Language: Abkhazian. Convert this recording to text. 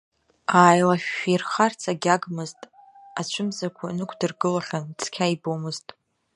Ааилашәшәихарц агьагмызт, ацәымзақәа нықәдыргылахьан, цқьа ибомызт.